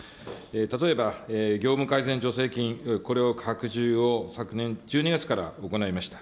例えば、業務改善助成金、これを拡充を、昨年１２月から行いました。